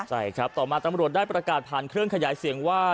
ใช่ครับต่อมาตำรวจได้ประกาศผ่านเครื่องขยายเสียงว่า